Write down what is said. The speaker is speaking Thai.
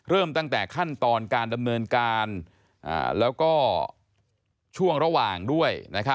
เริ่มตั้งแต่ขั้นตอนการดำเนินการแล้วก็ช่วงระหว่างด้วย